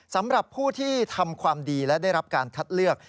สำหรับผู้ที่ทำความดีและได้รับการคัดเลือก